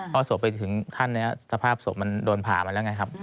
พอสอบไปถึงท่านสภาพสมันโดนผ่ามาแล้วไงครับ